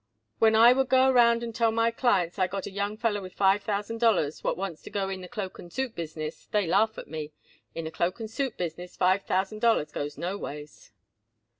When I would go around and tell my clients I got a young feller with five thousand dollars what wants to go in the cloak and suit business, they laugh at me. In the cloak and suit business five thousand dollars goes no ways."